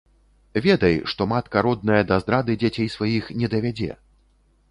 Ведай, што матка родная да здрады дзяцей сваіх не давядзе.